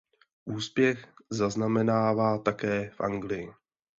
Úspěch zaznamenává také v Anglii.